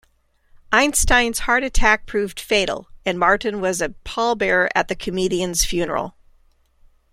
Einstein's heart attack proved fatal, and Martin was a pallbearer at the comedian's funeral.